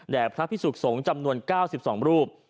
พระพิสุขสงฆ์จำนวน๙๒รูป